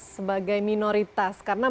sebagai minoritas karena